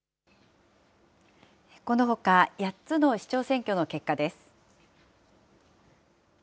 このほか８つの市長選挙の結果です。